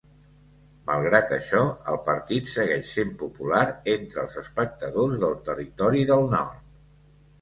Malgrat això, el partit segueix sent popular entre els espectadors del Territori del Nord.